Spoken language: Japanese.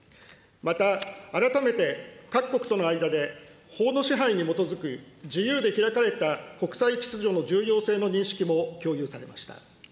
また改めて、各国との間で、法の支配に基づく自由で開かれた国際秩序の重要性の認識も共有されました。